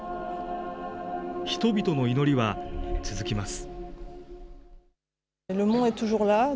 人々の祈りは続きます。